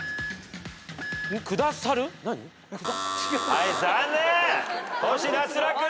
はい残念。